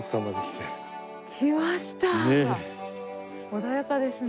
穏やかですね。